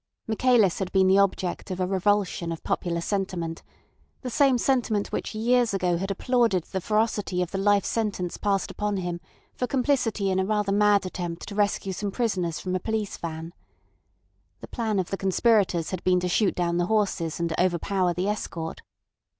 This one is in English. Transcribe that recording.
Michaelis had been the object of a revulsion of popular sentiment, the same sentiment which years ago had applauded the ferocity of the life sentence passed upon him for complicity in a rather mad attempt to rescue some prisoners from a police van. The plan of the conspirators had been to shoot down the horses and overpower the escort.